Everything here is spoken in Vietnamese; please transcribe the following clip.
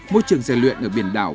môi trường rèn luyện ở biển đảo